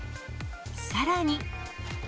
さらに。